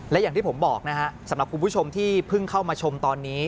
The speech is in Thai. และอย่างที่ผมบอกนะฮะสำหรับคุณผู้ชมที่เพิ่งเข้ามาชมตอนนี้